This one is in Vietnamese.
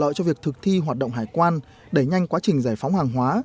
lợi cho việc thực thi hoạt động hải quan đẩy nhanh quá trình giải phóng hàng hóa